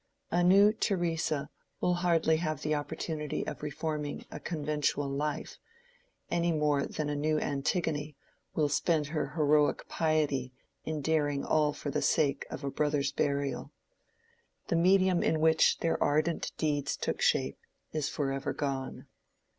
A new Theresa will hardly have the opportunity of reforming a conventual life, any more than a new Antigone will spend her heroic piety in daring all for the sake of a brother's burial: the medium in which their ardent deeds took shape is forever gone.